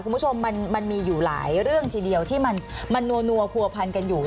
คุณผู้ชมมันมีอยู่หลายเรื่องทีเดียวที่มันนัวผัวพันกันอยู่